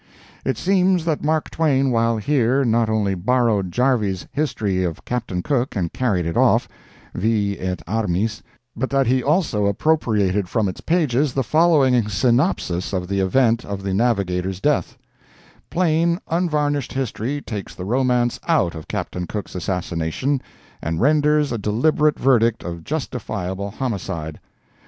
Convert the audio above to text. It seems that Mark Twain while here, not only borrowed "Jarves" History of Captain Cook and carried it off, vi et armis; but that he also appropriated from its pages the following synopsis of the event of the navigator's death: Plain unvarnished history takes the romance out of Captain Cook's assassination, and renders a deliberate verdict of justifiable homicide.